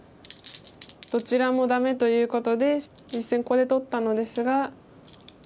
どちらもダメということで実戦ここで取ったのですが。